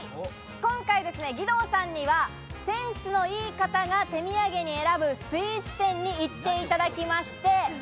今回、義堂さんにはセンスの良い方が手土産に選ぶスイーツ店に行っていただきまして。